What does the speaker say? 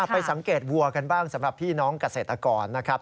ไปสังเกตวัวกันบ้างสำหรับพี่น้องเกษตรกรนะครับ